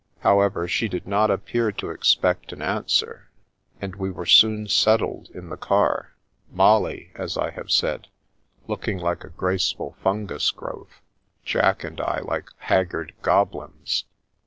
However, she did not appear to expect an answer, and we were soon settled in the car, Molly, as I have said, looking like a graceful fungus growth. Jack and I like haggard goblins.